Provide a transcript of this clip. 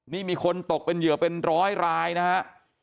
นี่มีคนตกเป็นเหยื่อเป็นร้อยรายนะฮะ